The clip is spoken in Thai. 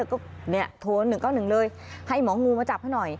ก็โทร๑๙๑เลยให้หมองูมาจับให้หน่อย